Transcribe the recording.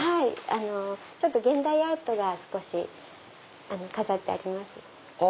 現代アートが少し飾ってあります。